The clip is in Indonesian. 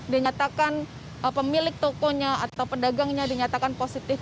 dinyatakan pemilik tokonya atau pedagangnya dinyatakan positif